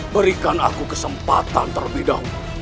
berikan aku kesempatan terlebih dahulu